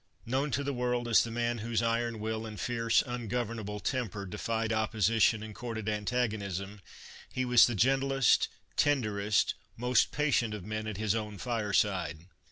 Known to the world as the man whose iron will and fierce, ungovernable temper defied opposition and courted antagonism, he was the gentlest, tenderest, most patient of men at his own fireside.